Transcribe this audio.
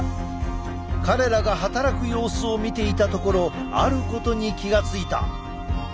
彼らが働く様子を見ていたところあることに気が付いた。